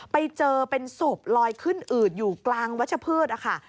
ไปเจอเป็นศพลอยขึ้นอืดอยู่กลางวัชพืชนะคะ